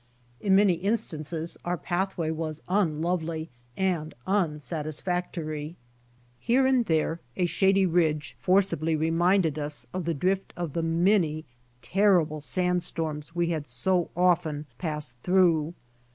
In many instances our pathway was imlovely and unsatisfactory. Here and there a shady ridge for cibly reminded us of the drift of the many terrible sand storms we had so often passed through.